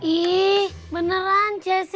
ih beneran jessy